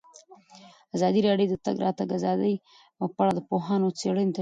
ازادي راډیو د د تګ راتګ ازادي په اړه د پوهانو څېړنې تشریح کړې.